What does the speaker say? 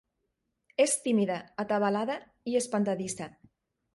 És tímida, atabalada i espantadissa.